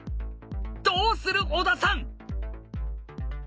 どうする小田さん